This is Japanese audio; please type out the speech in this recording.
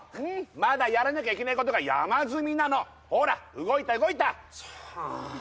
まだやらなきゃいけないことが山積みなのほら動いた動いたああ